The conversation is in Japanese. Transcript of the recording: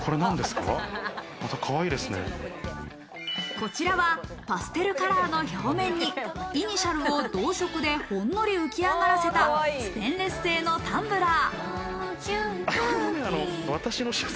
こちらはパステルカラーの表面にイニシャルを同色でほんのり浮き上がらせた、ステンレス製のタンブラー。